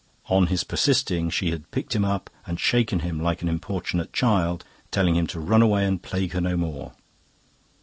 On his persisting, she had picked him up and shaken him like an importunate child, telling him to run away and plague her no more.